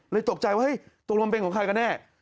ตกใจว่าเฮ้ยตกลงเป็นของใครกันแน่